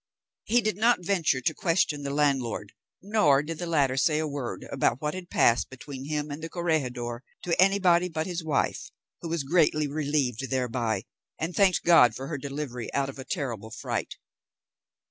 He did not venture to question the landlord, nor did the latter say a word about what had passed between him and the corregidor to any body but his wife, who was greatly relieved thereby, and thanked God for her delivery out of a terrible fright.